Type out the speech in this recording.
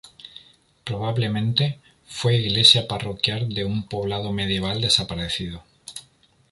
Probablemente, fue iglesia parroquial de un poblado medieval desaparecido.